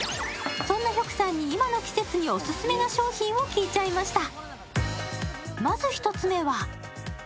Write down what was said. そんなヒョクさんに今の季節にオススメの商品を聞いちゃいました。